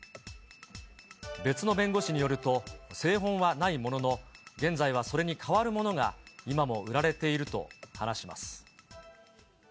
別の弁護士によると、聖本はないものの、現在はそれに代わるものが今も売られていると話します。